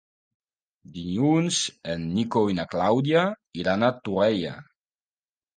Dilluns en Nico i na Clàudia iran a Torrella.